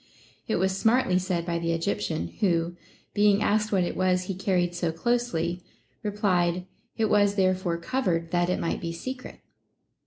It was smartly said by the Egyptian, who, being asked what it was he carried so closely, replied, it was therefore cov ered that it might be secret.